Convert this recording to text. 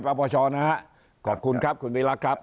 ไปปปชนะครับขอบคุณครับคุณวิล่าครับ